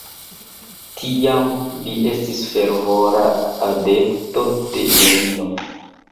Tiam li estis fervora adepto de Lenino.